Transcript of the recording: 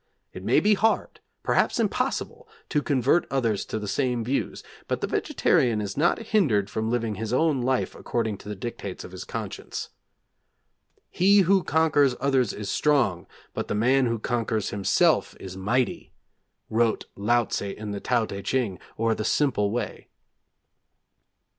It may be hard, perhaps impossible, to convert others to the same views, but the vegetarian is not hindered from living his own life according to the dictates of his conscience. 'He who conquers others is strong, but the man who conquers himself is mighty,' wrote Laotze in the Tao Teh Ch'ing, or 'The Simple Way.'